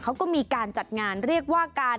เขาก็มีการจัดงานเรียกว่าการ